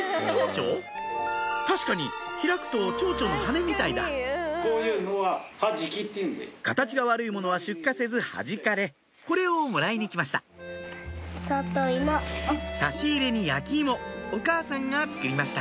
確かに開くとチョウチョの羽みたいだ形が悪いものは出荷せずはじかれこれをもらいに来ました差し入れに焼き芋お母さんが作りました